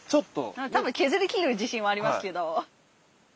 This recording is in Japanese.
多分削りきる自信はありますけど。